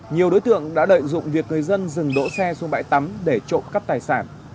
nhiều đối tượng đã lợi dụng việc người dân dừng đỗ xe xuống bãi tắm để trộm cắp tài sản